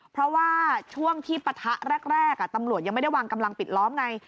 เพราะว่าช่วงที่ปะทะแรกตำรวจยังไม่ได้วางกำลังปิดล้อมไง